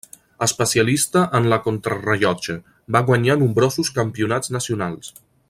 Especialista en la contrarellotge, va guanyar nombrosos campionats nacionals.